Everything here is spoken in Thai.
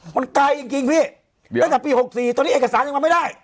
มันไกลจริงพี่ตั้งแต่ปี๖๔ตอนนี้เอกสารยังมาไม่ได้